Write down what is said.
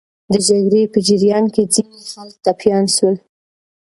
د جګړې په جریان کې ځینې خلک ټپیان سول.